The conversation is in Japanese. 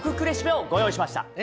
レシピをご用意しました。